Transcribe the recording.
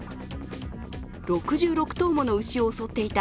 ６６頭もの牛を襲っていた